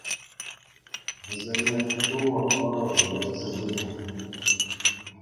Вӗсене Тулӑ ӑрӑвӗ ертсе пынӑ.